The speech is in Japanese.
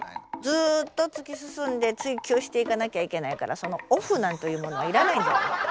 ずっと突き進んで追求していかなきゃいけないからそのオフなんていうものはいらないんじゃ。